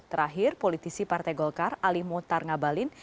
terakhir politisi partai golkar ali muhtar ngabalin